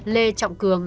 lê trọng cường